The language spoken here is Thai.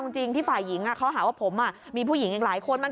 เกิดที่ฝ่ายหญิงมีผู้หญิงอีกหลายคน